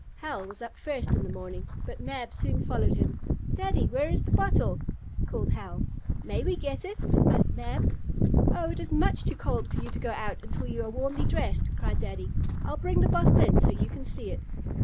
Hal was up first in the morning, but Mab soon followed him. "Daddy, where is the bottle?" called Hal. "May we get it?" asked Mab. "Oh, it is much too cold for you to go out until you are warmly dressed!" cried Daddy. "I'll bring the bottle in so you can see it."